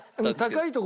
高い所。